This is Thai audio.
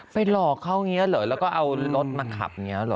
หลอกเขาอย่างนี้เหรอแล้วก็เอารถมาขับอย่างนี้เหรอ